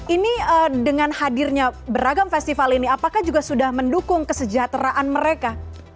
ini dengan hadirnya beragam festival ini apakah juga sudah mendukung kesejahteraan mereka